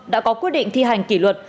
đã có quyết định thi hành kỷ luật